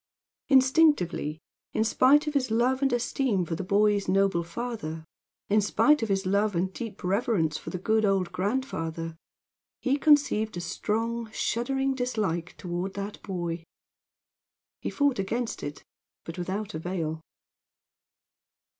Instinctively in spite of his love and esteem for the boy's noble father; in spite of his love and deep reverence for the good old grandfather, he conceived a strong, shuddering dislike toward that boy. He fought against it, but without avail.